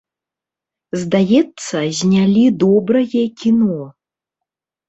Здаецца, знялі добрае кіно.